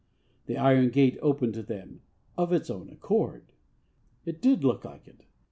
'The iron gate opened to them of its own accord.' It did look like it.